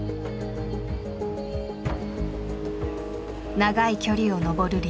長い距離を登るリード。